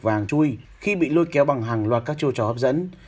và vàng chui khi bị lôi kéo bằng hàng loạt các chiêu trò hấp dẫn